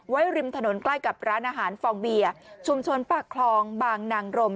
ริมถนนใกล้กับร้านอาหารฟองเบียร์ชุมชนปากคลองบางนางรม